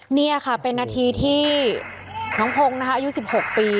นี่ค่ะเป็นนาทีที่น้องพงศ์นะคะอายุ๑๖ปี